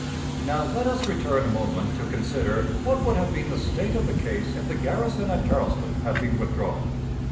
Now let us return a moment to consider what would have been the state of the case if the garrison at Charleston had been withdrawn.